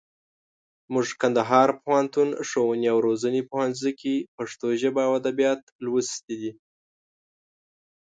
موږ کندهار پوهنتون، ښووني او روزني پوهنځي کښي پښتو ژبه او اودبيات لوستي دي.